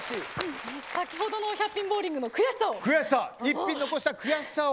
先ほどの１００ピンボウリングの悔しさを。